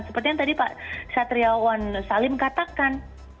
seperti yang tadi pak satriawan salim katakan